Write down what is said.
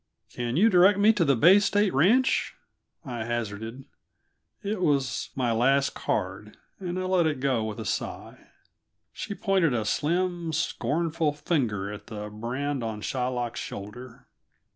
"Can you direct me to the Bay State Ranch?" I hazarded. It was my last card, and I let it go with a sigh. She pointed a slim, scornful finger at the brand on Shylock's shoulder.